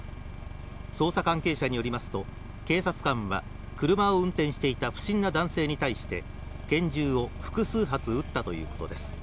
捜査関係者によりますと、警察官は車を運転していた不審な男性に対して、拳銃を複数発撃ったということです。